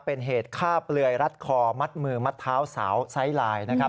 เป็นเหตุฆ่าเปลือยรัดคอมัดมือมัดเท้าสาวไซส์ลายนะครับ